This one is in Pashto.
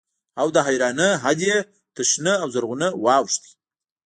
او د حيرانۍ حد يې تر شنه او زرغونه واوښت.